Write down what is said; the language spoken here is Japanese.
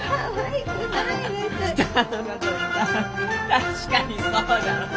確かにそうじゃのう！